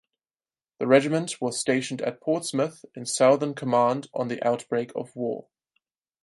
The regiment was stationed at Portsmouth in Southern Command on the outbreak of war.